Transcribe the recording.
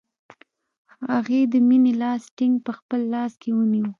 هغې د مینې لاس ټینګ په خپل لاس کې ونیوه